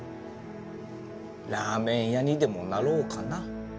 ラーメン屋にでもなろうかな。